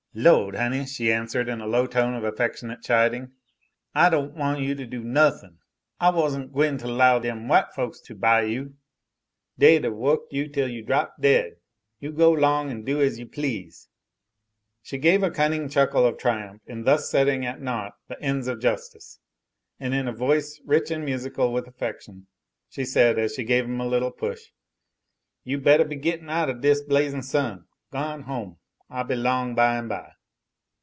"Lohd, honey!" she answered, in a low tone of affectionate chiding, "I don' wan' you to do no thin'! I wuzn' gwine t' 'low dem white folks to buy you. Dey'd wuk you till you dropped dead. You go 'long en do ez you please." She gave a cunning chuckle of triumph in thus setting at naught the ends of justice, and in a voice rich and musical with affection, she said, as she gave him a little push: "You bettah be gittin' out o' dis blazin' sun. G' on home! I be 'long by en by."